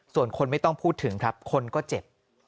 ส่วนคนไม่ต้องพูดถึงครับคนก็เจ็บ